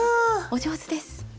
お上手です！